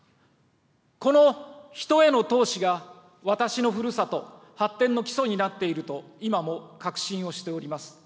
この人への投資が、私のふるさと発展の基礎になっていると、今も確信をしております。